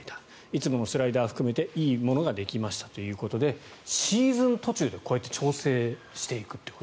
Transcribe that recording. いつものスライダーを含めていいものができましたということでシーズン途中でこうやって調整していくという。